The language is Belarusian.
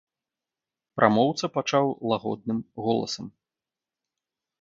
Прамоўца пачаў лагодным голасам.